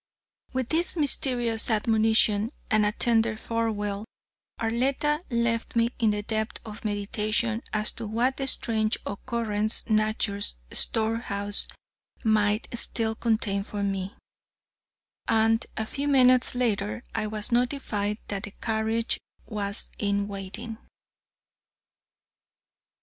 With this mysterious admonition and a tender farewell, Arletta left me in the depth of meditation as to what strange occurrence nature's storehouse might still contain for me, and a few minutes later I was notified that the carriage was in waiting.